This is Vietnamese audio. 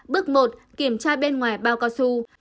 bước một kiểm tra bên ngoài bao cao su